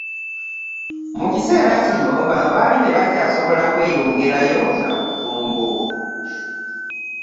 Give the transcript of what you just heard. Mu kiseera kino, bano baali tebakyasobola kweyongerayo na bufumbo